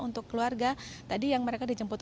untuk keluarga tadi yang mereka dijemput